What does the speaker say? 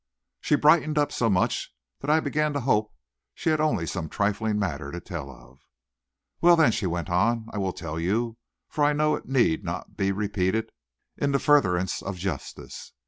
She brightened up so much that I began to hope she had only some trifling matter to tell of. "Well, then," she went on, "I will tell you, for I know it need not be repeated in the furtherance of justice.